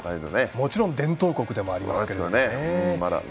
もちろん伝統国でもありますからね。